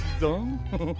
フフフフ。